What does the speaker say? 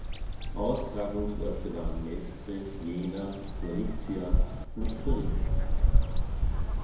Austragungsorte waren Mestre, Siena, Gorizia und Turin.